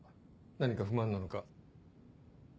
何か不満なのか？